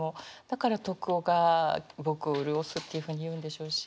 だから「徳が僕を霑す」っていうふうに言うんでしょうし。